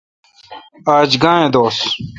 آج گاں اؘ دوس۔